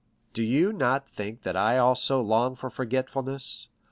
Do you not think that I also long for forgetfulness?